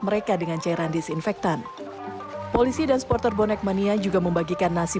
mereka dengan cairan disinfektan polisi dan supporter bonek mania juga membagikan nasi